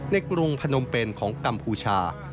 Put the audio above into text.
กรุงพนมเป็นของกัมพูชา